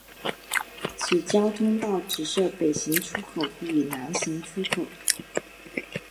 此交流道只设北行出口与南行入口。